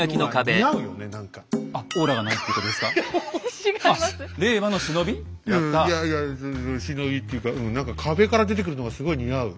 いやいや忍びっていうかうん何か壁から出てくるのがすごい似合う。